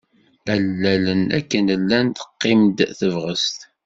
Allalen akk llan teqqim-d tebɣest.